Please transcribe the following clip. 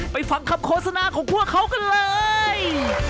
ฟังคำโฆษณาของพวกเขากันเลย